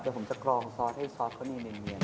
เดี๋ยวผมจะกรองซอสให้ซอสเขามีเนียน